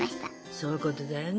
そういうことだよね